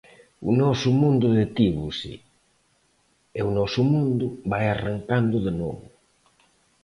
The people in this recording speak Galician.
O noso mundo detívose, e o noso mundo vai arrancando de novo.